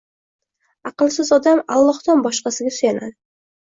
Aqlsiz odam Allohdan boshqasiga suyanadi.